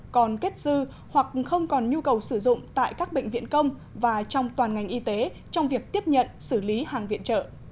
còn kết dư hoặc không còn nhu cầu sử dụng tại các bệnh viện công và trong toàn ngành y tế trong việc tiếp nhận xử lý hàng viện trợ